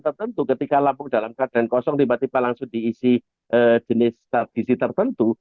tertentu ketika lampu dalam keadaan kosong tiba tiba langsung diisi jenis tradisi tertentu